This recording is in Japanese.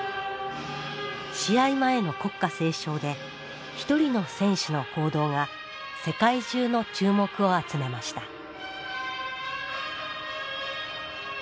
試合前の国歌斉唱で一人の選手の行動が世界中の注目を集めました。